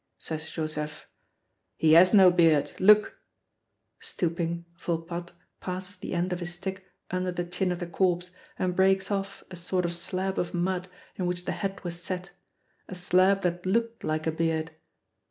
says Joseph. "He has no beard. Look " Stooping, Volpatte passes the end of his stick under the chin of the corpse and breaks off a sort of slab of mud in which the head was set, a slab that looked like a beard.